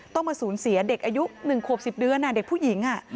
ต้องมาสูญเสียเด็กอายุ๑ขวบ๑๐เดือนเด็กผู้หญิง